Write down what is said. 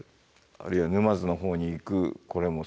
あるいは沼津の方に行くこれもそうですね。